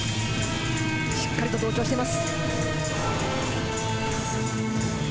しっかり同調しています。